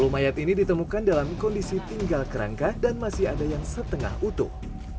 sepuluh mayat ini ditemukan dalam kondisi tinggal kerangka dan masih ada yang setengah utuh